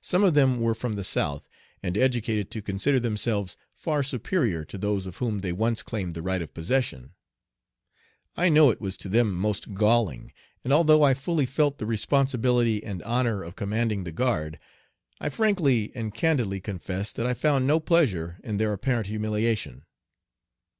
Some of them were from the South, and educated to consider themselves far superior to those of whom they once claimed the right of possession. I know it was to them most galling, and although I fully felt the responsibility and honor of commanding the guard, I frankly and candidly confess that I found no pleasure in their apparent humiliation.